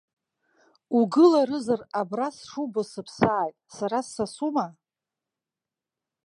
Угыларызар абра сшубо сыԥсааит, сара ссасума.